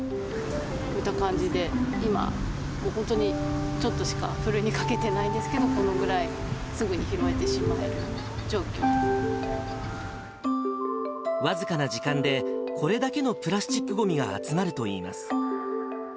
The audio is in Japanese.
こういった感じで、今、本当にちょっとしかふるいにかけてないんですけど、このくらいす僅かな時間で、これだけのプラスチックごみが集まるといいます。